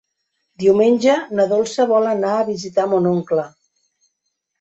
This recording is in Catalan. Diumenge na Dolça vol anar a visitar mon oncle.